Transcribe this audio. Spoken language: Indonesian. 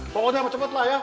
pokoknya cepet lah ya